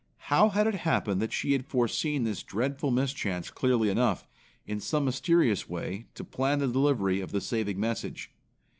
How had it happened that she had foreseen this dreadful mischance clearly enough, in some mysterious way, to plan the delivery of the saving message?